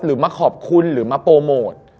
มาขอบคุณหรือมาโปรโมท